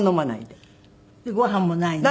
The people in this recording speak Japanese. でご飯もないの？